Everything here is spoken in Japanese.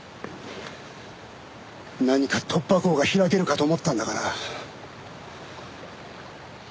何か突破口が開けるかと思ったんだがな。